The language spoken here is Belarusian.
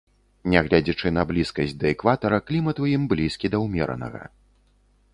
Нягледзячы на блізкасць да экватара, клімат у ім блізкі да ўмеранага.